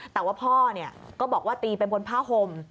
แต่ว่าพ่อก็บอกว่าตีไปบนผ้าห่ม